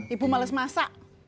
ibu males masak